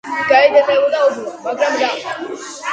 გაედევნებოდა ობობა , მაგრამ რა!